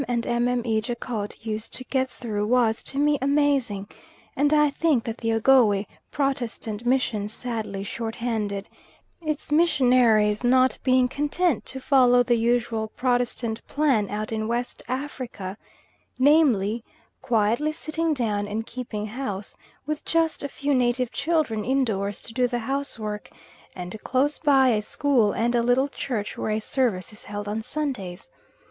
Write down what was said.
and Mme. Jacot used to get through was, to me, amazing, and I think the Ogowe Protestant mission sadly short handed its missionaries not being content to follow the usual Protestant plan out in West Africa, namely, quietly sitting down and keeping house, with just a few native children indoors to do the housework, and close by a school and a little church where a service is held on Sundays.